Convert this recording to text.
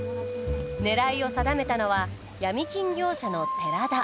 狙いを定めたのは闇金業者の寺田。